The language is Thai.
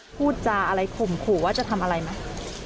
พูดจาอะไรข่มขู่ว่าจะทำอะไรไหม